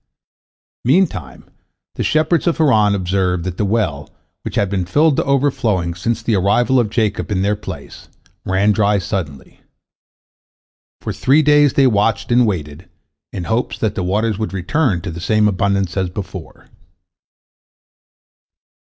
Meantime the shepherds of Haran observed that the well, which had been filled to overflowing since the arrival of Jacob in their place, ran dry suddenly. For three days they watched and waited, in the hope that the waters would return in the same abundance as before.